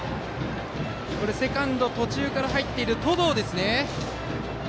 セカンド、途中から入っている登藤ですね。